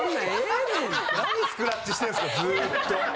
何スクラッチしてんすかずっと。